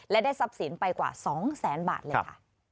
และได้ทรัพย์สินไปกว่า๒แสนบาทเลยค่ะ